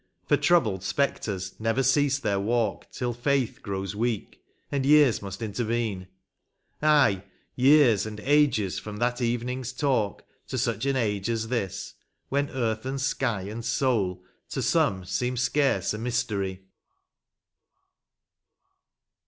For troubled spectres never cease their walk Till faith grows weak; and years must intervene. Aye, years, and ages from that evening's talk To such an age as this, when earth and sky And soul, to some, seem scarce a mystery